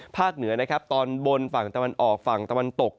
ภาคเหนือตอนบนฝั่งตะวันออกฝั่งตะวันตก